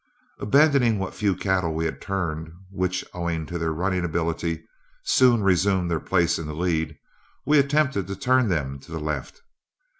Abandoning what few cattle we had turned, which, owing to their running ability, soon resumed their places in the lead, we attempted to turn them to the left.